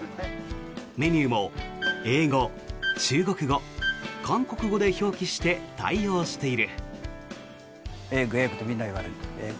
メニューも英語、中国語、韓国語で表記して対応している。